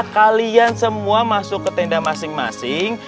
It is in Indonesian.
kalian semua masuk ke tenda masing masing